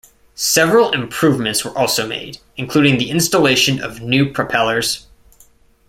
Several improvements were also made, including the installation of new propellers.